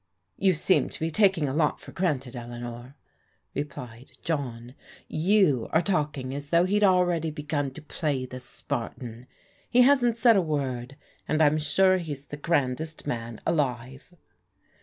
" You seem to be taking a lot for granted, Eleanor," replied John. " You are talking as though he'd already begun to play the Spartan. He hasn't said a word, and I'm sure he's the grandest man alive."